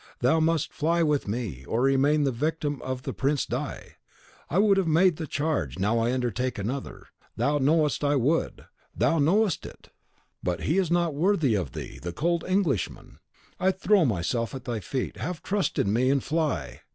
Thou must fly with me, or remain the victim of the Prince di . I would have made the charge I now undertake another's; thou knowest I would, thou knowest it! but he is not worthy of thee, the cold Englishman! I throw myself at thy feet; have trust in me, and fly."